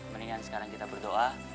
mendingan sekarang kita berdoa